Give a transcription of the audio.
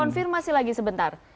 saya konfirmasi lagi sebentar